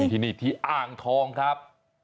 ที่นี่ที่อ่างทองครับ